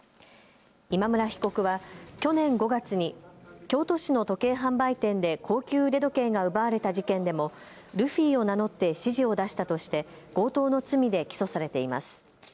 今村被告は去年５月に京都市の時計販売店で高級腕時計が奪われた事件でもルフィを名乗って指示を出したとして強盗の罪で起訴されています。